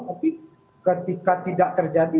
tapi ketika tidak terjadi